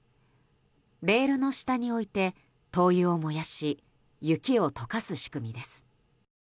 レールの下に置いて灯油を燃やし雪を解かす仕組みです。